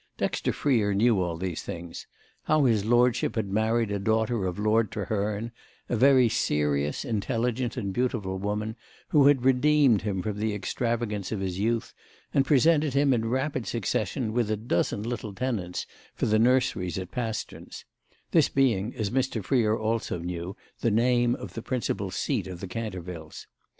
Dexter Freer knew all these things—how his lordship had married a daughter of Lord Treherne, a very serious intelligent and beautiful woman who had redeemed him from the extravagance of his youth and presented him in rapid succession with a dozen little tenants for the nurseries at Pasterns—this being, as Mr. Freer also knew, the name of the principal seat of the Cantervilles.